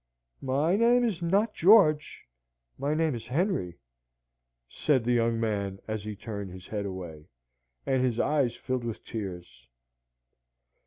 "My name is not George; my name is Henry," said the young man as he turned his head away, and his eyes filled with tears.